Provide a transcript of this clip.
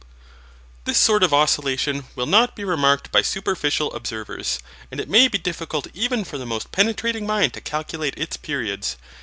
This sort of oscillation will not be remarked by superficial observers, and it may be difficult even for the most penetrating mind to calculate its periods.